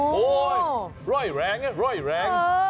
โอ้โหร่อยแรงร่อยแรง